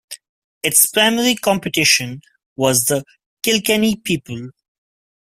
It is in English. Its primary competition was the "Kilkenny People".